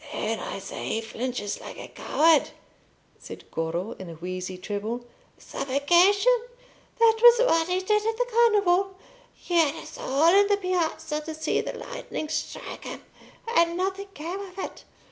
"Then I say he flinches like a coward," said Goro, in a wheezy treble. "Suffocation! that was what he did at the Carnival. He had us all in the Piazza to see the lightning strike him, and nothing came of it."